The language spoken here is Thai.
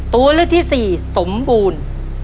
ตัวเลือดที่๔สมบูรณ์